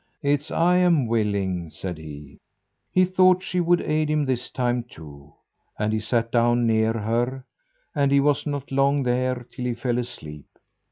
"It's I am willing," said he. He thought she would aid him this time, too, and he sat down near her, and he was not long there till he fell asleep.